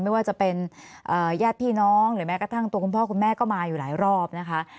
ไม่ว่าจะเป็นญาติพี่น้องหรือแม้กระทั่งตัวคุณพ่อคุณแม่ก็มาอยู่หลายรอบนะคะ